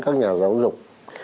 các nhà giáo dục